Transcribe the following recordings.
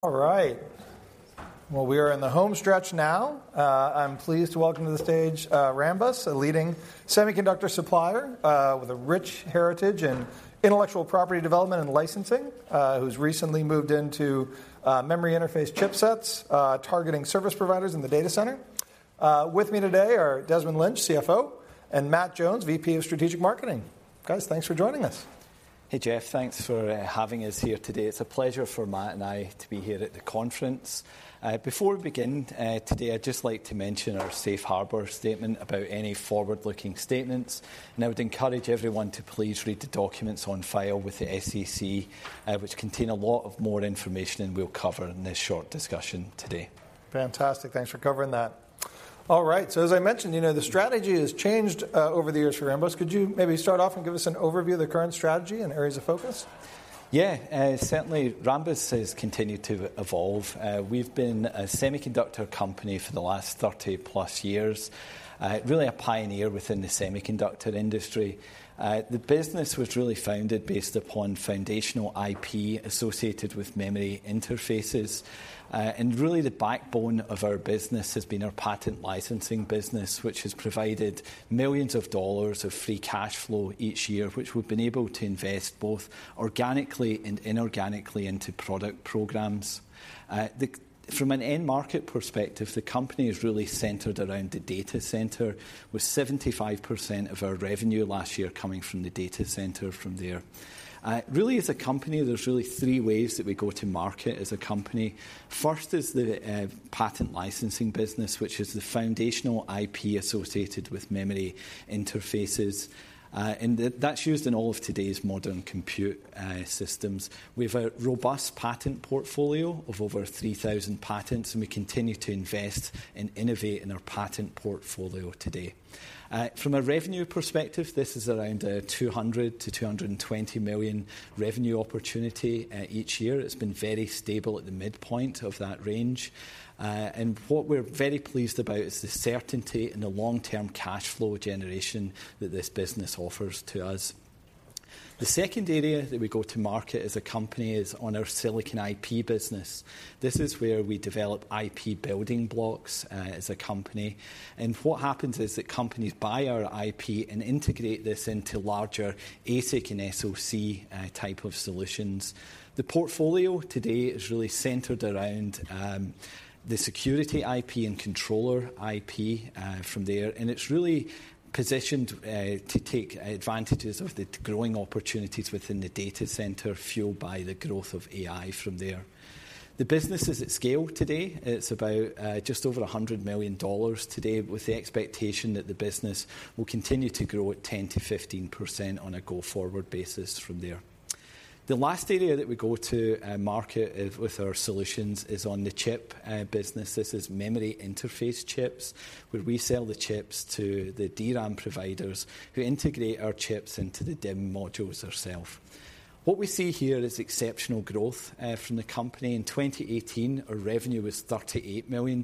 All right. Well, we are in the home stretch now. I'm pleased to welcome to the stage Rambus, a leading semiconductor supplier, with a rich heritage in intellectual property development and licensing, who's recently moved into memory interface chipsets, targeting service providers in the data center. With me today are Desmond Lynch, CFO, and Matt Jones, VP of Strategic Marketing. Guys, thanks for joining us. Hey, Jeff, thanks for having us here today. It's a pleasure for Matt and I to be here at the conference. Before we begin today, I'd just like to mention our safe harbor statement about any forward-looking statements, and I would encourage everyone to please read the documents on file with the SEC, which contain a lot of more information than we'll cover in this short discussion today. Fantastic. Thanks for covering that. All right, so as I mentioned, you know, the strategy has changed over the years for Rambus. Could you maybe start off and give us an overview of the current strategy and areas of focus? Yeah. Certainly Rambus has continued to evolve. We've been a semiconductor company for the last 30+ years. Really a pioneer within the semiconductor industry. The business was really founded based upon foundational IP associated with memory interfaces. And really the backbone of our business has been our patent licensing business, which has provided millions of dollars of free cash flow each year, which we've been able to invest both organically and inorganically into product programs. From an end market perspective, the company is really centered around the data center, with 75% of our revenue last year coming from the data center from there. Really, as a company, there's really three ways that we go to market as a company. First is the patent licensing business, which is the foundational IP associated with memory interfaces. And that, that's used in all of today's modern compute systems. We have a robust patent portfolio of over 3,000 patents, and we continue to invest and innovate in our patent portfolio today. From a revenue perspective, this is around a $200 million-$220 million revenue opportunity each year. It's been very stable at the midpoint of that range. And what we're very pleased about is the certainty and the long-term cash flow generation that this business offers to us. The second area that we go to market as a company is on our silicon IP business. This is where we develop IP building blocks as a company. And what happens is that companies buy our IP and integrate this into larger ASIC and SoC type of solutions. The portfolio today is really centered around the security IP and controller IP from there, and it's really positioned to take advantages of the growing opportunities within the data center, fueled by the growth of AI from there. The business is at scale today. It's about just over $100 million today, with the expectation that the business will continue to grow at 10%-15% on a go-forward basis from there. The last area that we go to market is with our solutions is on the chip business. This is memory interface chips, where we sell the chips to the DRAM providers who integrate our chips into the DIMM modules themselves. What we see here is exceptional growth from the company. In 2018, our revenue was $38 million,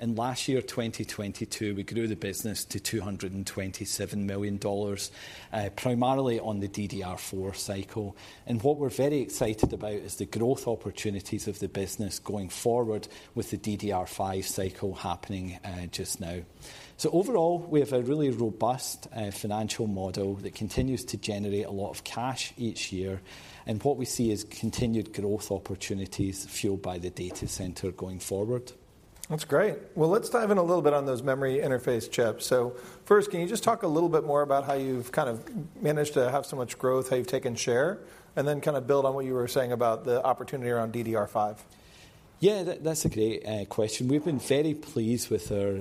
and last year, 2022, we grew the business to $227 million, primarily on the DDR4 cycle. And what we're very excited about is the growth opportunities of the business going forward with the DDR5 cycle happening, just now. So overall, we have a really robust, financial model that continues to generate a lot of cash each year, and what we see is continued growth opportunities fueled by the data center going forward. That's great. Well, let's dive in a little bit on those memory interface chips. So first, can you just talk a little bit more about how you've kind of managed to have so much growth, how you've taken share, and then kind of build on what you were saying about the opportunity around DDR5? Yeah, that, that's a great question. We've been very pleased with our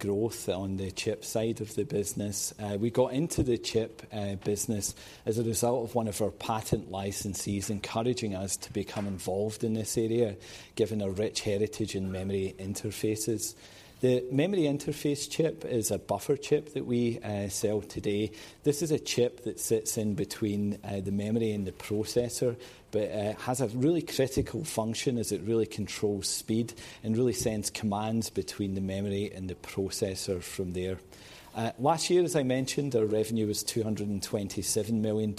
growth on the chip side of the business. We got into the chip business as a result of one of our patent licensees encouraging us to become involved in this area, given our rich heritage in memory interfaces. The memory interface chip is a buffer chip that we sell today. This is a chip that sits in between the memory and the processor, but it has a really critical function as it really controls speed and really sends commands between the memory and the processor from there. Last year, as I mentioned, our revenue was $227 million,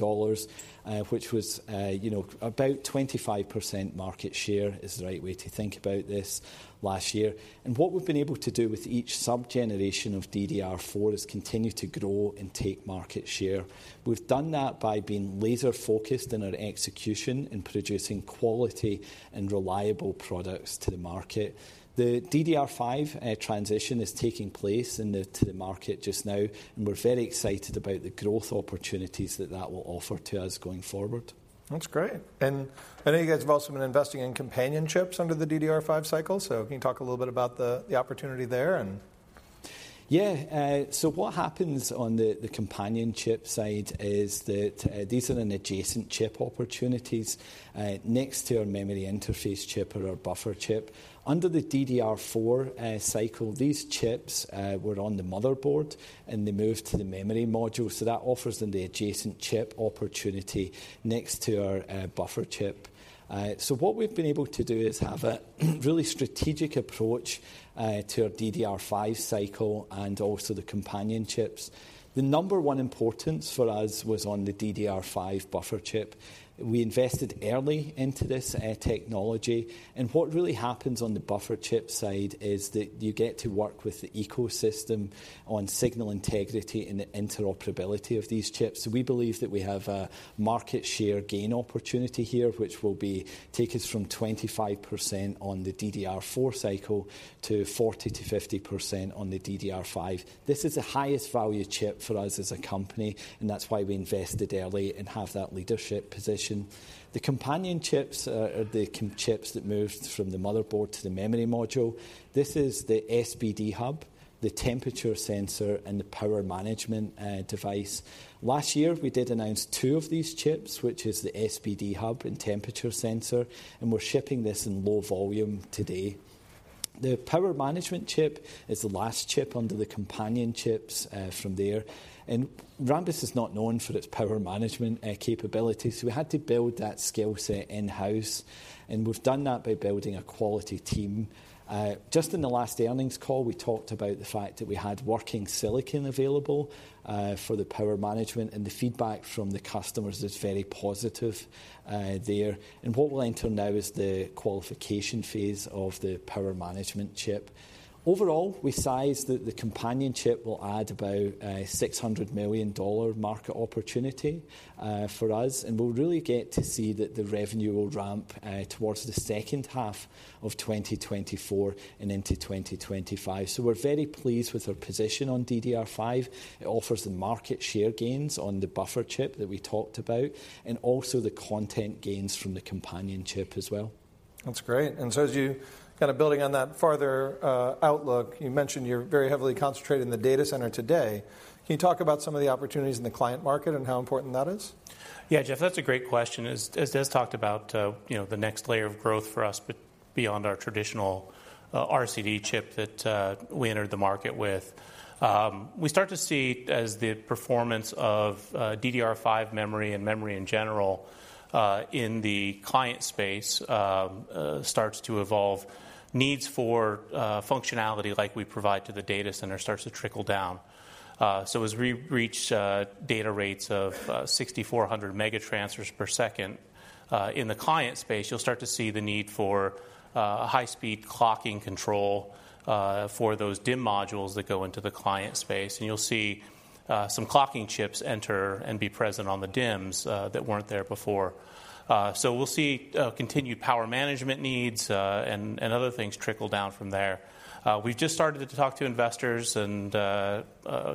which was, you know, about 25% market share is the right way to think about this last year. What we've been able to do with each sub-generation of DDR4 is continue to grow and take market share. We've done that by being laser-focused in our execution in producing quality and reliable products to the market. The DDR5 transition is taking place to the market just now, and we're very excited about the growth opportunities that that will offer to us going forward. That's great. And I know you guys have also been investing in companion chips under the DDR5 cycle. So can you talk a little bit about the opportunity there and- Yeah. So what happens on the companion chip side is that these are an adjacent chip opportunities next to our memory interface chip or our buffer chip. Under the DDR4 cycle, these chips were on the motherboard, and they moved to the memory module, so that offers them the adjacent chip opportunity next to our buffer chip. So what we've been able to do is have a really strategic approach to our DDR5 cycle and also the companion chips. The number one importance for us was on the DDR5 buffer chip. We invested early into this technology, and what really happens on the buffer chip side is that you get to work with the ecosystem on signal integrity and the interoperability of these chips. So we believe that we have a market share gain opportunity here, which will take us from 25% on the DDR4 cycle to 40%-50% on the DDR5. This is the highest value chip for us as a company, and that's why we invested early and have that leadership position. The companion chips are the chips that moved from the motherboard to the memory module. This is the SPD hub, the temperature sensor, and the power management device. Last year, we did announce two of these chips, which is the SPD hub and temperature sensor, and we're shipping this in low volume today. The power management chip is the last chip under the companion chips, from there. Rambus is not known for its power management capabilities, so we had to build that skill set in-house, and we've done that by building a quality team. Just in the last earnings call, we talked about the fact that we had working silicon available for the power management, and the feedback from the customers is very positive there. What we'll enter now is the qualification phase of the power management chip. Overall, we size that the companion chip will add about a $600 million market opportunity for us, and we'll really get to see that the revenue will ramp towards the second half of 2024 and into 2025. So we're very pleased with our position on DDR5. It offers the market share gains on the buffer chip that we talked about and also the content gains from the companion chip as well. That's great. And so as you kinda building on that further outlook, you mentioned you're very heavily concentrated in the data center today. Can you talk about some of the opportunities in the client market and how important that is? Yeah, Jeff, that's a great question. As Des talked about, you know, the next layer of growth for us beyond our traditional RCD chip that we entered the market with. We start to see as the performance of DDR5 memory and memory in general in the client space starts to evolve, needs for functionality like we provide to the data center starts to trickle down. So as we reach data rates of 6400 MT/s in the client space, you'll start to see the need for high-speed clocking control for those DIMM modules that go into the client space. And you'll see some clocking chips enter and be present on the DIMMs that weren't there before. So we'll see continued power management needs, and other things trickle down from there. We've just started to talk to investors and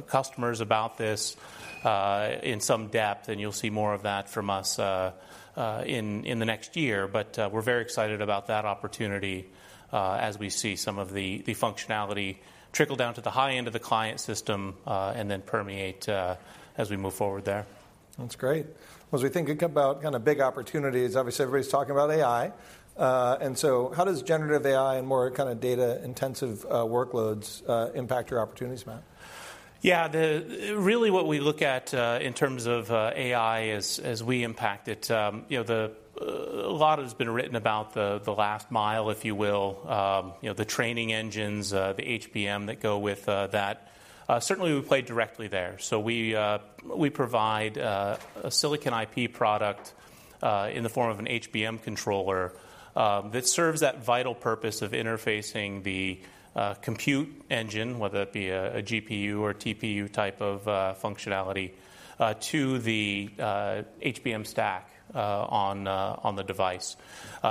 customers about this in some depth, and you'll see more of that from us in the next year. But we're very excited about that opportunity as we see some of the functionality trickle down to the high end of the client system, and then permeate as we move forward there. That's great. As we think about kinda big opportunities, obviously, everybody's talking about AI. And so how does generative AI and more kinda data-intensive workloads impact your opportunities, Matt? Yeah, really what we look at in terms of AI as we impact it, you know, a lot has been written about the last mile, if you will. You know, the training engines, the HBM that go with that. Certainly, we play directly there. So we provide a silicon IP product in the form of an HBM controller that serves that vital purpose of interfacing the compute engine, whether it be a GPU or TPU type of functionality to the HBM stack on the device.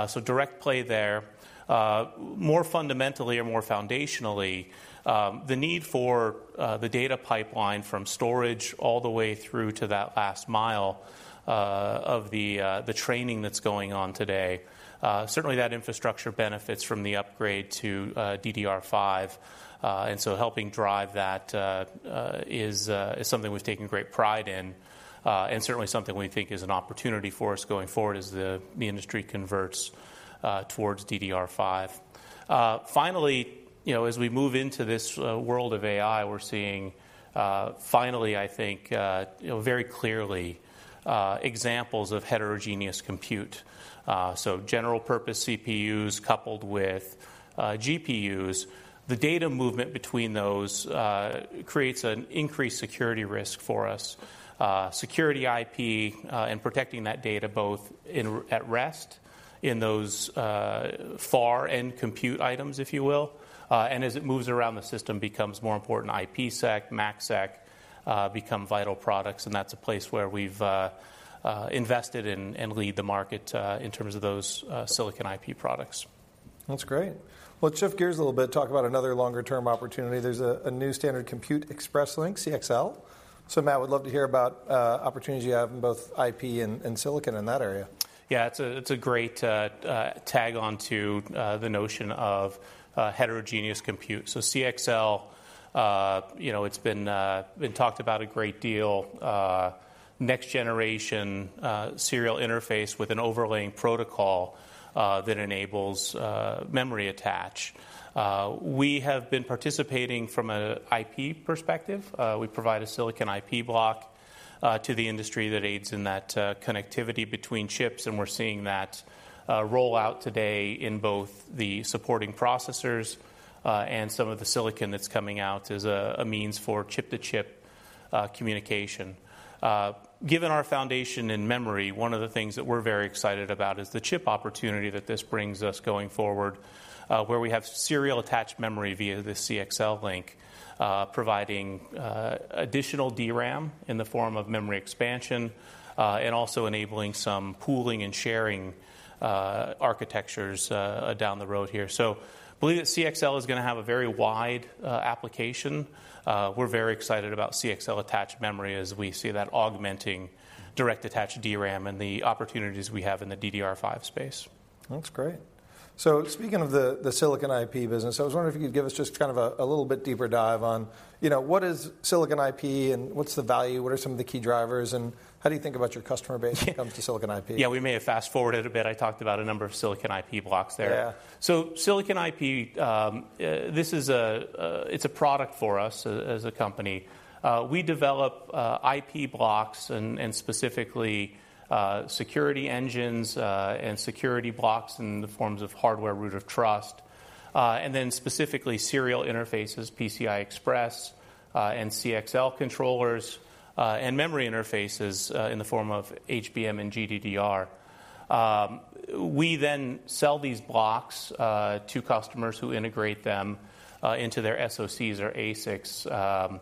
So direct play there. More fundamentally or more foundationally, the need for the data pipeline from storage all the way through to that last mile of the training that's going on today. Certainly that infrastructure benefits from the upgrade to DDR5. And so helping drive that is something we've taken great pride in, and certainly something we think is an opportunity for us going forward as the industry converts towards DDR5. Finally, you know, as we move into this world of AI, we're seeing finally, I think, you know, very clearly examples of heterogeneous compute. So general purpose CPUs coupled with GPUs. The data movement between those creates an increased security risk for us. Security IP and protecting that data both in at rest in those far-end compute items, if you will, and as it moves around the system, becomes more important. IPsec, MACsec become vital products, and that's a place where we've invested in and lead the market in terms of those silicon IP products. That's great. Let's shift gears a little bit, talk about another longer-term opportunity. There's a new standard Compute Express Link, CXL. So, Matt, would love to hear about opportunities you have in both IP and silicon in that area. Yeah, it's a, it's a great tag on to the notion of heterogeneous compute. So CXL, you know, it's been talked about a great deal, next generation serial interface with an overlaying protocol that enables memory attach. We have been participating from a IP perspective. We provide a silicon IP block to the industry that aids in that connectivity between chips, and we're seeing that roll out today in both the supporting processors and some of the silicon that's coming out as a means for chip-to-chip communication. Given our foundation in memory, one of the things that we're very excited about is the chip opportunity that this brings us going forward, where we have serial attached memory via the CXL link, providing additional DRAM in the form of memory expansion, and also enabling some pooling and sharing architectures down the road here. So believe that CXL is gonna have a very wide application. We're very excited about CXL-attached memory as we see that augmenting direct attached DRAM and the opportunities we have in the DDR5 space. That's great. So speaking of the silicon IP business, I was wondering if you could give us just kind of a little bit deeper dive on, you know, what is silicon IP and what's the value? What are some of the key drivers, and how do you think about your customer base when it comes to silicon IP? Yeah, we may have fast-forwarded a bit. I talked about a number of silicon IP blocks there. Yeah. So silicon IP, this is a product for us as a company. We develop IP blocks and specifically security engines and security blocks in the forms of hardware root of trust, and then specifically serial interfaces, PCI Express, and CXL controllers, and memory interfaces in the form of HBM and GDDR. We then sell these blocks to customers who integrate them into their SoCs or ASICs.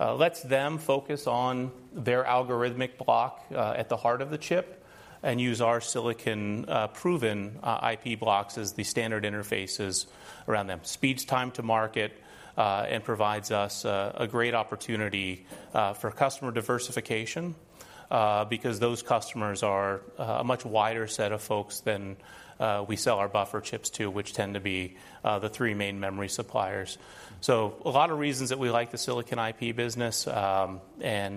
Lets them focus on their algorithmic block at the heart of the chip and use our silicon proven IP blocks as the standard interfaces around them. Speeds time to market, and provides us a great opportunity for customer diversification, because those customers are a much wider set of folks than we sell our buffer chips to, which tend to be the three main memory suppliers. So a lot of reasons that we like the silicon IP business, and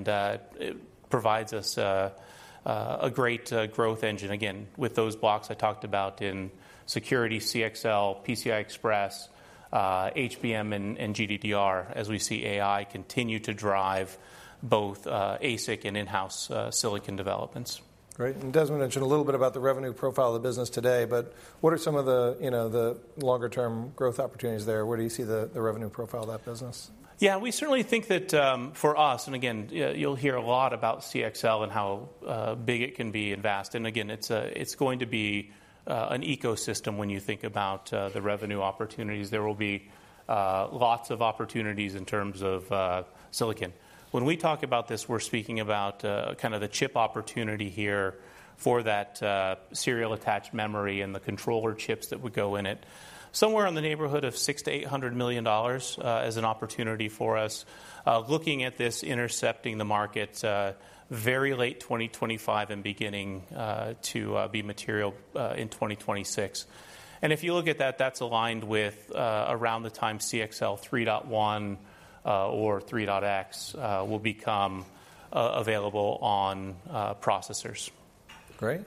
it provides us a great growth engine. Again, with those blocks I talked about in security, CXL, PCI Express, HBM, and GDDR, as we see AI continue to drive both ASIC and in-house silicon developments. Great. And Desmond mentioned a little bit about the revenue profile of the business today, but what are some of the, you know, the longer-term growth opportunities there? Where do you see the, the revenue profile of that business? Yeah, we certainly think that, for us, and again, you'll, you'll hear a lot about CXL and how, big it can be and vast. And again, it's, it's going to be, an ecosystem when you think about, the revenue opportunities. There will be, lots of opportunities in terms of, silicon. When we talk about this, we're speaking about, kind of the chip opportunity here for that, serial attached memory and the controller chips that would go in it. Somewhere in the neighborhood of $600 million-$800 million, as an opportunity for us. Looking at this, intercepting the market, very late 2025 and beginning, to, be material, in 2026. If you look at that, that's aligned with around the time CXL 3.1 or 3.x will become available on processors. Great.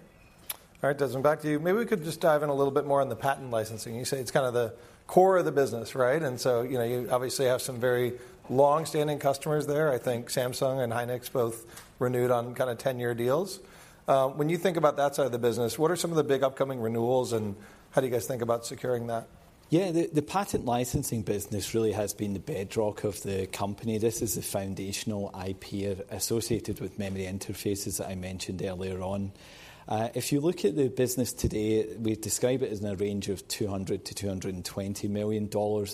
All right, Desmond, back to you. Maybe we could just dive in a little bit more on the patent licensing. You say it's kind of the core of the business, right? And so, you know, you obviously have some very long-standing customers there. I think Samsung and SK hynix both renewed on kinda 10-year deals. When you think about that side of the business, what are some of the big upcoming renewals, and how do you guys think about securing that? Yeah. The patent licensing business really has been the bedrock of the company. This is the foundational IP associated with memory interfaces I mentioned earlier on. If you look at the business today, we describe it as in a range of $200 million-$220 million.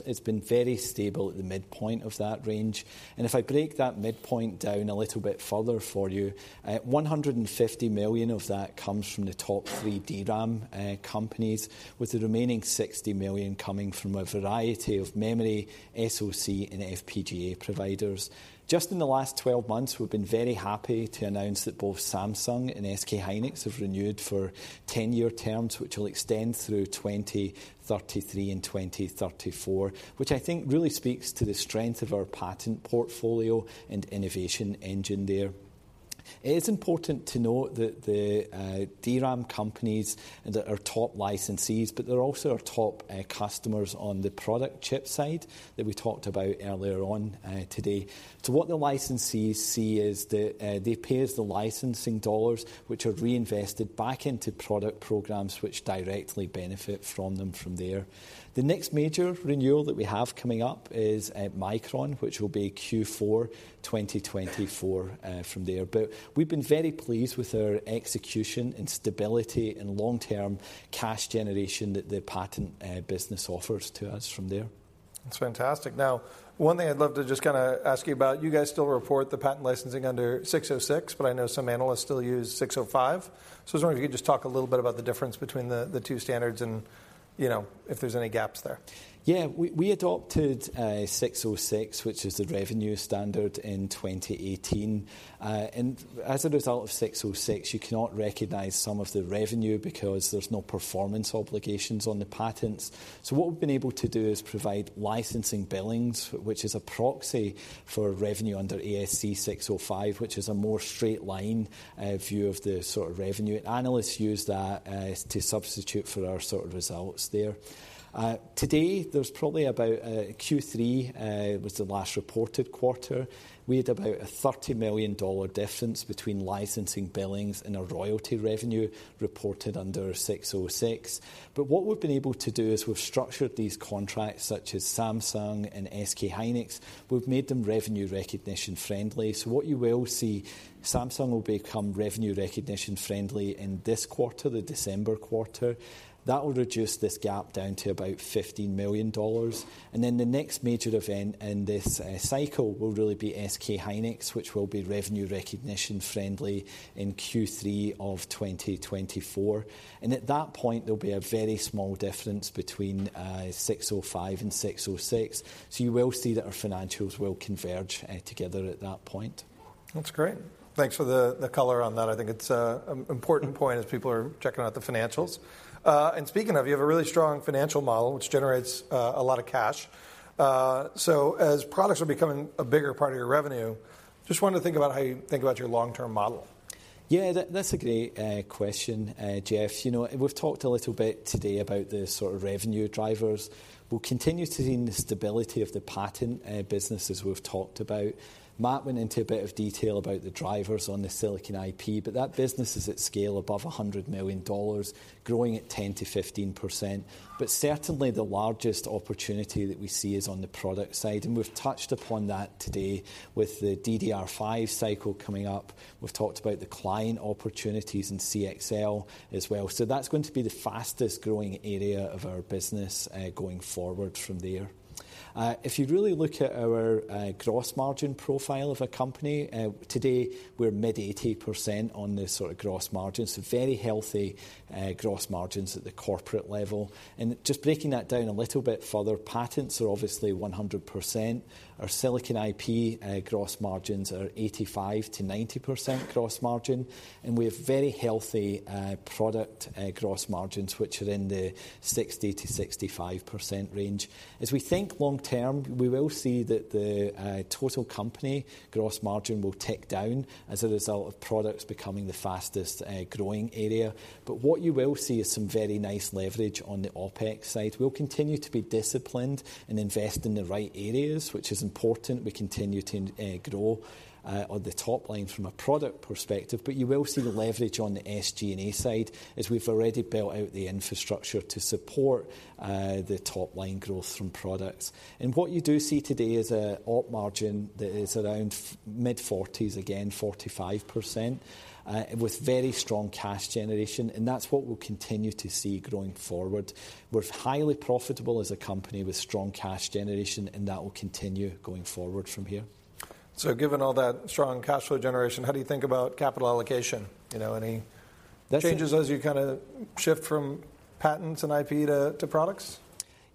It's been very stable at the midpoint of that range. And if I break that midpoint down a little bit further for you, $150 million of that comes from the top three DRAM companies, with the remaining $60 million coming from a variety of memory, SoC, and FPGA providers. Just in the last 12 months, we've been very happy to announce that both Samsung and SK hynix have renewed for 10-year terms, which will extend through 2033 and 2034, which I think really speaks to the strength of our patent portfolio and innovation engine there. It is important to note that the DRAM companies that are top licensees, but they're also our top customers on the product chip side that we talked about earlier on today. So what the licensees see is that they pay us the licensing dollars, which are reinvested back into product programs which directly benefit from them from there. The next major renewal that we have coming up is Micron, which will be Q4 2024 from there. We've been very pleased with our execution and stability and long-term cash generation that the patent business offers to us from there.... That's fantastic. Now, one thing I'd love to just kinda ask you about, you guys still report the patent licensing under 606, but I know some analysts still use 605. So I was wondering if you could just talk a little bit about the difference between the two standards and, you know, if there's any gaps there. Yeah. We adopted 606, which is the revenue standard, in 2018. As a result of 606, you cannot recognize some of the revenue because there's no performance obligations on the patents. So what we've been able to do is provide licensing billings, which is a proxy for revenue under ASC 605, which is a more straight line view of the sort of revenue. Analysts use that to substitute for our sort of results there. Today, there's probably about Q3. Q3 was the last reported quarter. We had about a $30 million difference between licensing billings and our royalty revenue reported under 606. But what we've been able to do is we've structured these contracts, such as Samsung and SK hynix, we've made them revenue recognition friendly. So what you will see, Samsung will become revenue recognition friendly in this quarter, the December quarter. That will reduce this gap down to about $15 million. And then the next major event in this, cycle will really be SK hynix, which will be revenue recognition friendly in Q3 of 2024. And at that point, there'll be a very small difference between 605 and 606. So you will see that our financials will converge, together at that point. That's great. Thanks for the color on that. I think it's an important point as people are checking out the financials. And speaking of, you have a really strong financial model, which generates a lot of cash. So as products are becoming a bigger part of your revenue, just wanted to think about how you think about your long-term model. Yeah, that, that's a great question, Jeff. You know, we've talked a little bit today about the sort of revenue drivers. We'll continue to see the stability of the patent business, as we've talked about. Matt went into a bit of detail about the drivers on the silicon IP, but that business is at scale above $100 million, growing at 10%-15%. But certainly, the largest opportunity that we see is on the product side, and we've touched upon that today with the DDR5 cycle coming up. We've talked about the client opportunities in CXL as well. So that's going to be the fastest growing area of our business, going forward from there. If you really look at our gross margin profile of a company today, we're mid-80% on the sort of gross margin, so very healthy gross margins at the corporate level. And just breaking that down a little bit further, patents are obviously 100%. Our silicon IP gross margins are 85%-90% gross margin, and we have very healthy product gross margins, which are in the 60%-65% range. As we think long term, we will see that the total company gross margin will tick down as a result of products becoming the fastest growing area. But what you will see is some very nice leverage on the OpEx side. We'll continue to be disciplined and invest in the right areas, which is important. We continue to grow on the top line from a product perspective, but you will see the leverage on the SG&A side, as we've already built out the infrastructure to support the top-line growth from products. What you do see today is an operating margin that is around mid-forties, again, 45%, with very strong cash generation, and that's what we'll continue to see going forward. We're highly profitable as a company with strong cash generation, and that will continue going forward from here. Given all that strong cash flow generation, how do you think about capital allocation? You know, any changes as you kinda shift from patents and IP to, to products?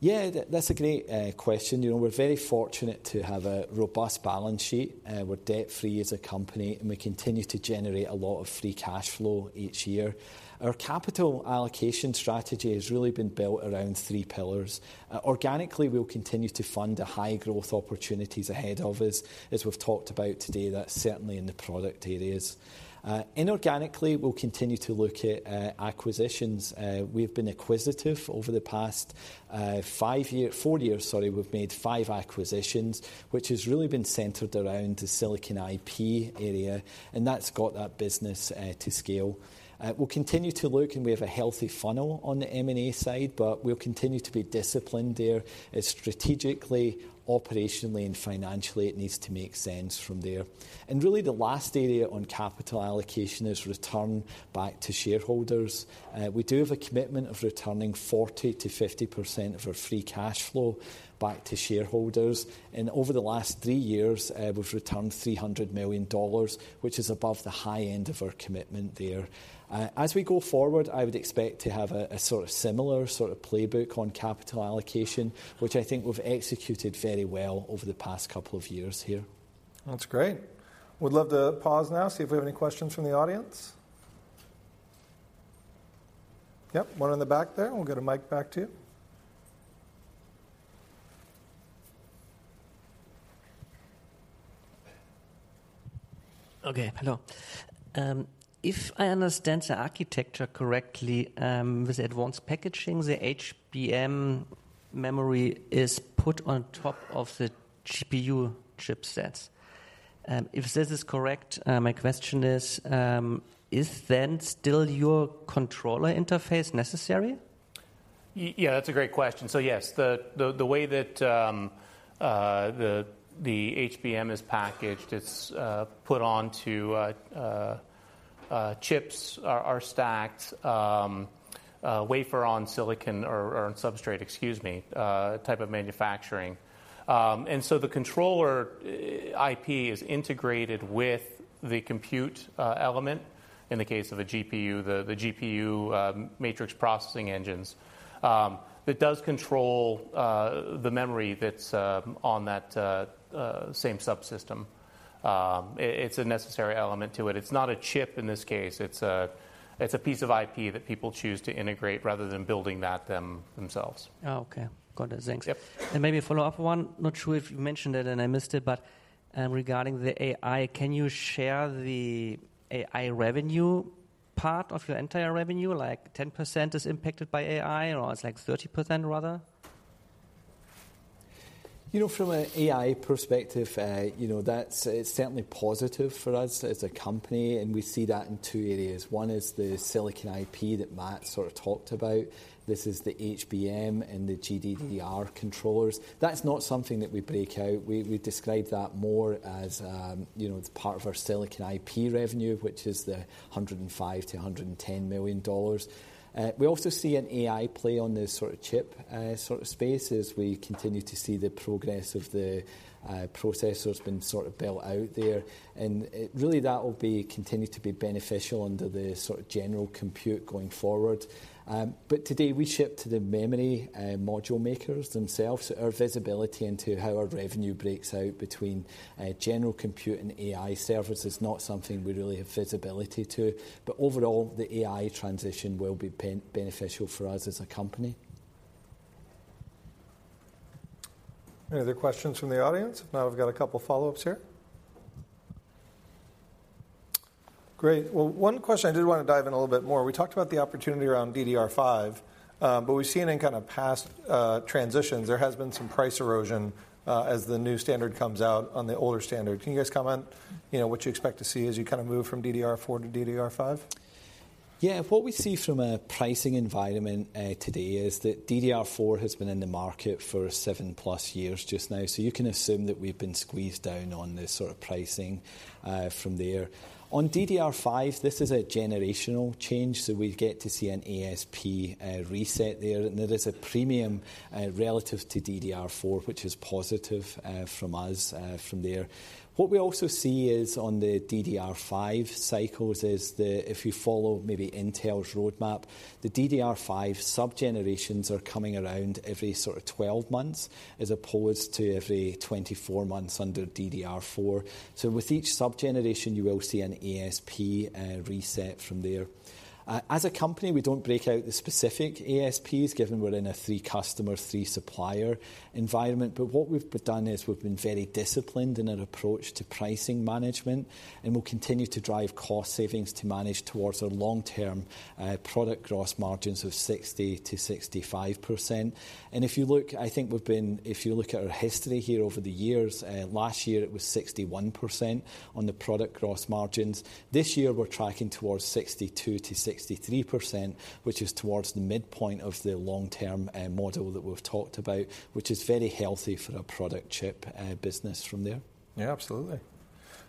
Yeah, that's a great question. You know, we're very fortunate to have a robust balance sheet. We're debt-free as a company, and we continue to generate a lot of free cash flow each year. Our capital allocation strategy has really been built around three pillars. Organically, we'll continue to fund the high growth opportunities ahead of us. As we've talked about today, that's certainly in the product areas. Inorganically, we'll continue to look at acquisitions. We've been acquisitive over the past five years - four years, sorry. We've made five acquisitions, which has really been centered around the silicon IP area, and that's got that business to scale. We'll continue to look, and we have a healthy funnel on the M&A side, but we'll continue to be disciplined there, as strategically, operationally, and financially, it needs to make sense from there. Really, the last area on capital allocation is return back to shareholders. We do have a commitment of returning 40%-50% of our free cash flow back to shareholders, and over the last three years, we've returned $300 million, which is above the high end of our commitment there. As we go forward, I would expect to have a sort of similar sort of playbook on capital allocation, which I think we've executed very well over the past couple of years here. That's great. Would love to pause now, see if we have any questions from the audience. Yep, one in the back there, and we'll get a mic back to you. Okay. Hello. If I understand the architecture correctly, with advanced packaging, the HBM memory is put on top of the GPU chipsets. If this is correct, my question is, is then still your controller interface necessary? Yeah, that's a great question. So yes, the way that the HBM is packaged, it's put onto chips that are stacked wafer on silicon or on substrate, excuse me, type of manufacturing. And so the controller IP is integrated with the compute element in the case of a GPU, the GPU matrix processing engines. That does control the memory that's on that same subsystem. It's a necessary element to it. It's not a chip in this case, it's a piece of IP that people choose to integrate rather than building that themselves. Oh, okay. Got it. Thanks. Yep. Maybe a follow-up one. Not sure if you mentioned it and I missed it, but regarding the AI, can you share the AI revenue part of your entire revenue, like 10% is impacted by AI, or it's like 30% rather? You know, from an AI perspective, you know, that's, it's certainly positive for us as a company, and we see that in two areas. One is the silicon IP that Matt sort of talked about. This is the HBM and the GDDR controllers. That's not something that we break out. We, we describe that more as, you know, it's part of our silicon IP revenue, which is the $105 million-$110 million. We also see an AI play on the sort of chip, sort of space as we continue to see the progress of the, processors being sort of built out there. And, really, that will be continue to be beneficial under the sort of general compute going forward. But today we ship to the memory, module makers themselves. Our visibility into how our revenue breaks out between general compute and AI servers is not something we really have visibility to. But overall, the AI transition will be beneficial for us as a company. Any other questions from the audience? Now I've got a couple follow-ups here. Great. Well, one question I did want to dive in a little bit more. We talked about the opportunity around DDR5, but we've seen in kind of past transitions, there has been some price erosion, as the new standard comes out on the older standard. Can you guys comment, you know, what you expect to see as you kind of move from DDR4 to DDR5? Yeah. What we see from a pricing environment today is that DDR4 has been in the market for 7+ years just now. So you can assume that we've been squeezed down on the sort of pricing from there. On DDR5, this is a generational change, so we get to see an ASP reset there. And there is a premium relative to DDR4, which is positive from us from there. What we also see is on the DDR5 cycles, if you follow maybe Intel's roadmap, the DDR5 sub-generations are coming around every sort of 12 months, as opposed to every 24 months under DDR4. So with each sub-generation, you will see an ASP reset from there. As a company, we don't break out the specific ASPs, given we're in a three-customer, three-supplier environment. But what we've done is we've been very disciplined in our approach to pricing management, and we'll continue to drive cost savings to manage towards our long-term product gross margins of 60%-65%. And if you look at our history here over the years, last year it was 61% on the product gross margins. This year we're tracking towards 62%-63%, which is towards the midpoint of the long-term model that we've talked about, which is very healthy for a product chip business from there. Yeah, absolutely.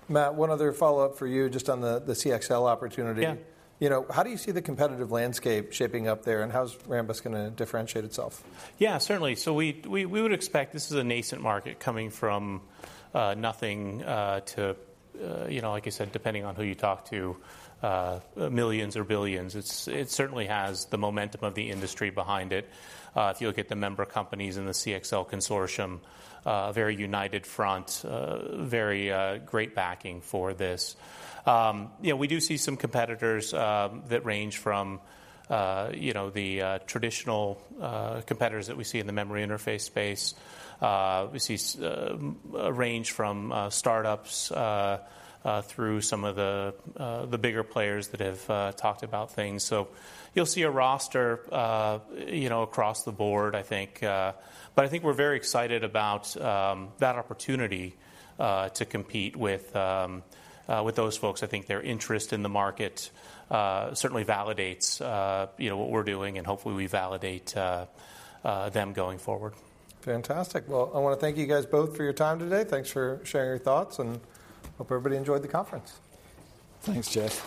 Matt, one other follow-up for you just on the CXL opportunity. Yeah. You know, how do you see the competitive landscape shaping up there, and how's Rambus gonna differentiate itself? Yeah, certainly. So we would expect this is a nascent market coming from nothing to, you know, like you said, depending on who you talk to, millions or billions. It's certainly has the momentum of the industry behind it. If you look at the member companies in the CXL Consortium, a very united front, very great backing for this. You know, we do see some competitors that range from, you know, the traditional competitors that we see in the memory interface space. We see a range from startups through some of the bigger players that have talked about things. So you'll see a roster, you know, across the board, I think. But I think we're very excited about that opportunity to compete with those folks. I think their interest in the market certainly validates, you know, what we're doing, and hopefully, we validate them going forward. Fantastic. Well, I wanna thank you guys both for your time today. Thanks for sharing your thoughts, and hope everybody enjoyed the conference. Thanks, Jeff.